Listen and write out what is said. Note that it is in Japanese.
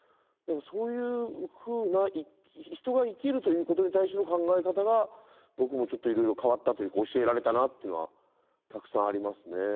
そういうふうな人が生きるということに対しての考え方が僕もちょっといろいろ変わったというか教えられたなっていうのはたくさんありますね。